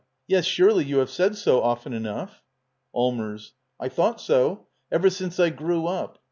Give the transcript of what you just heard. Yes, surely you have said so often enough. Allmers. I thought so. Ever since I grew up.